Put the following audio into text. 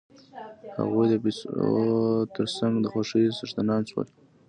هغوی د پیسو تر څنګ د خوښیو څښتنان شول